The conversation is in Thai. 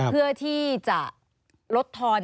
เพื่อที่จะลดทอน